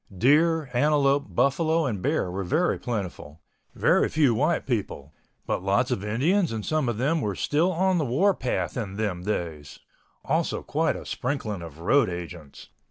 Deer, antelope, buffalo and bear were very plentiful; very few white people, but lots of Indians and some of them were still on the warpath in them days; also quite a sprinkling of road agents.